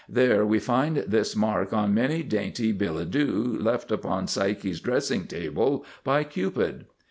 There we find this mark on many dainty billet doux left upon Psyche's dressing table by Cupid.